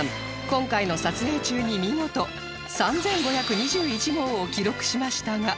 今回の撮影中に見事３５２１号を記録しましたが